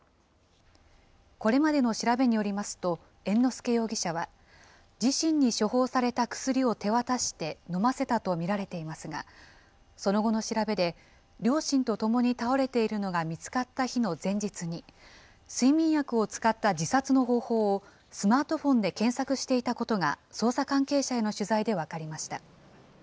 これまでの調べによりますと、猿之助容疑者は、自身に処方された薬を手渡して飲ませたと見られていますが、その後の調べで、両親とともに倒れているのが見つかった日の前日に、睡眠薬を使った自殺の方法を、スマートフォンで検索していたことが捜査関係者への取材で分かりました。